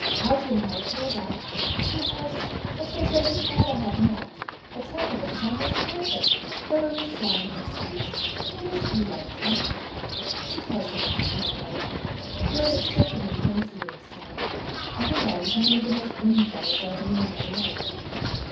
Algy inherits all that. And he has what they say his father had not a temper that is almost perfect, thoroughly sound and sweet. I wish you liked him." "Who tells you that I do not like him? You are mistaken in fancying so. I think Errington one of the most winning fellows I ever knew in my life."